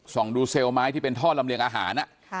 ส่องดูเซลล์ไม้ที่เป็นท่อลำเรียงอาหารอ่ะค่ะ